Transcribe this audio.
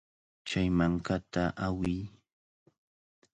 Chay mankata awiy.